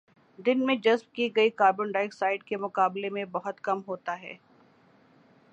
دن میں جذب کی گئی کاربن ڈائی آکسائیڈ کے مقابلے میں بہت کم ہوتا ہے